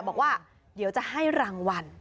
บอกว่าเดี๋ยวจะให้รางวัล